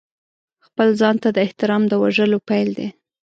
خپل ځان ته د احترام د وژلو پیل دی.